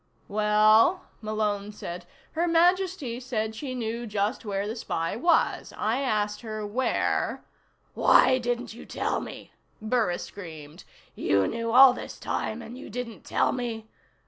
"Well," Malone said, "Her Majesty said she knew just where the spy was. I asked her where " "Why didn't you tell me?" Burris screamed. "You knew all this time and you didn't tell me?"